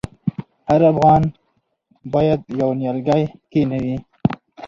هر افغان باید یو نیالګی کینوي؟